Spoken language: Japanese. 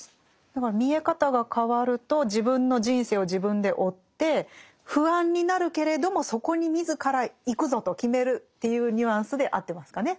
だから見え方が変わると自分の人生を自分で負って不安になるけれどもそこに自ら行くぞと決めるっていうニュアンスで合ってますかね。